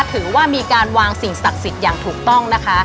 ถือว่ามีการวางสิ่งศักดิ์สิทธิ์อย่างถูกต้องนะคะ